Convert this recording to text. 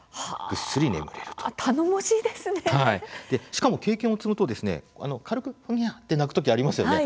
しかも、経験を積むと軽く、ふぎゃあって泣くときありますよね。